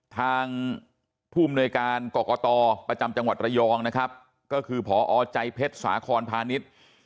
ทางผู้อำนวยการกรกตประจำจังหวัดระยองนะครับก็คือพอใจเพชรสาคอนพาณิชย์